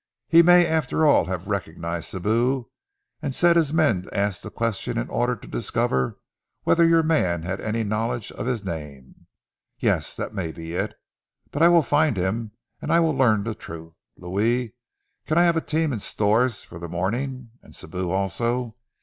He may after all have recognized Sibou and set his men to ask the question in order to discover whether your man had any knowledge of his name! Yes, that may be it! But I will find him, and I will learn the truth. Louis, can I have a team and stores for the morning? And Sibou also?